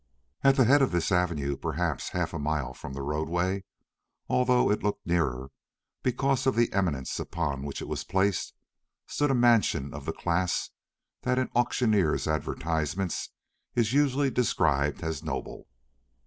At the head of this avenue, perhaps half a mile from the roadway, although it looked nearer because of the eminence upon which it was placed, stood a mansion of the class that in auctioneers' advertisements is usually described as "noble."